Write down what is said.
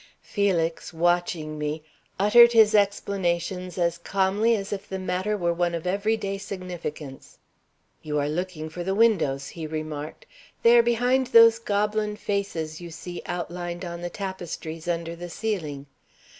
Felix, watching me, uttered his explanations as calmly as if the matter were one of every day significance. "You are looking for the windows," he remarked. "They are behind those goblin faces you see outlined on the tapestries under the ceiling.